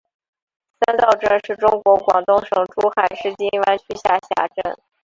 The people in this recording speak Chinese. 三灶镇是中国广东省珠海市金湾区下辖镇。